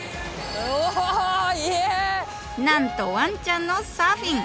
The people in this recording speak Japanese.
なんとわんちゃんのサーフィン！